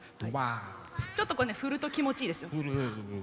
ちょっとこう振ると気持ちいいですよ。